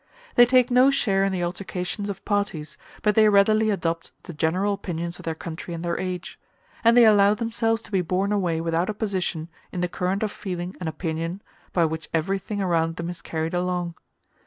They take no share in the altercations of parties, but they readily adopt the general opinions of their country and their age; and they allow themselves to be borne away without opposition in the current of feeling and opinion by which everything around them is carried along.